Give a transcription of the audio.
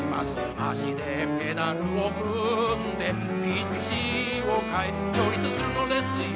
足でペダルを踏んでピッチを変え調律するのですよ